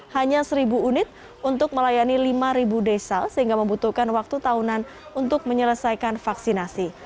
hanya seribu unit untuk melayani lima desa sehingga membutuhkan waktu tahunan untuk menyelesaikan vaksinasi